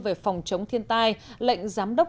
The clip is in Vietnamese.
về phòng chống thiên tai lệnh giám đốc